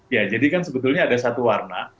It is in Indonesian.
ya jadi kan sebetulnya ada satu warna